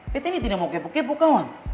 betta ini tidak mau kepo kepo kawan